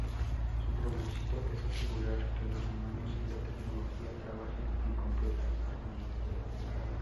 Su propósito es asegurar que los humanos y la tecnología trabajen en completa armonía.